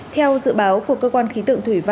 theo dự báo của cơ quan khí tượng thủy